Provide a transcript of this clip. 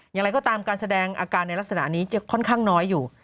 อย่างไรก็ตามการแสดงอาการในลักษณะนี้จะค่อนข้างน้อยอยู่